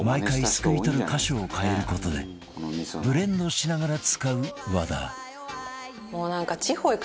すくい取る箇所を変える事でブレンドしながら使う和田